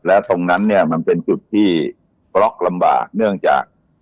แล้วตรงนั้นเนี่ยมันเป็นจุดที่บล็อกลำบากเนื่องจาก